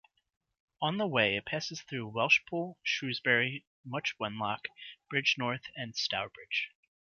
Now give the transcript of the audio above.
On the way it passes through Welshpool, Shrewsbury, Much Wenlock, Bridgnorth and Stourbridge.